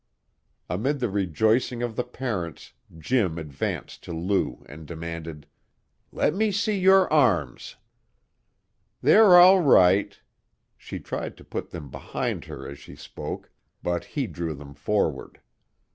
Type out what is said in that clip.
Amid the rejoicing of the parents Jim advanced to Lou and demanded: "Let me see your arms." "They're all right " She tried to put them behind her as she spoke, but he drew them forward.